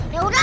hah hah hah